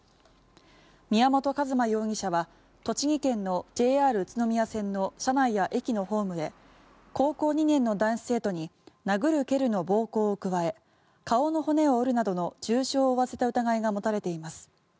宮本一馬容疑者は栃木県のＪＲ宇都宮線の車内や駅のホームで高校２年の男子生徒に殴る蹴るの暴行を加え顔の骨を折るなどの重傷を負わせた疑いが持たれています。